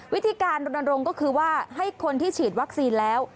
วิธีการรณรงค์ก็คือว่าให้คนที่ฉีดวัคซีนแล้ว